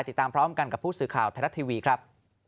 ติดตามพร้อมกันกับผู้สื่อข่าวไทยรัฐทีวีครับ